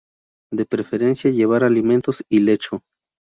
De preferencia llevar alimentos y lecho.